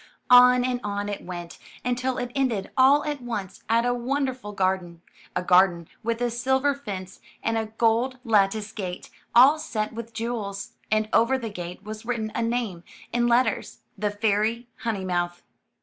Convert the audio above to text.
On and on it went, until it ended all at once at a wonderful garden — a garden with a silver fence and a gold lattice gate all set with jewels, and over the gate was written a name in let ters, *The Fairy Honeymouth.